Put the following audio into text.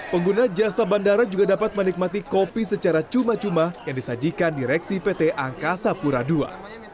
pengguna jasa bandara juga dapat menikmati kopi secara cuma cuma yang disajikan direksi pt angkasa pura ii